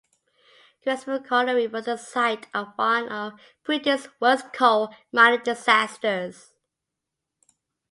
Gresford Colliery was the site of one of Britain's worst coal mining disasters.